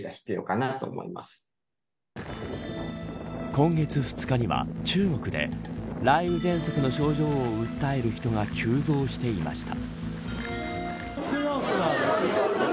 今月２日には、中国で雷雨ぜんそくの症状を訴える人が急増していました。